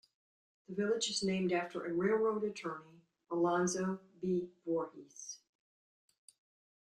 The village is named after a railroad attorney, Alonzo B. Voorhees.